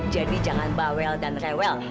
jadi jangan bawel dan rewel